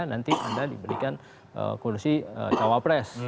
nanti anda diberikan kursi cawa press